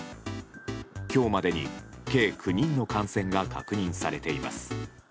今日までに計９人の感染が確認されています。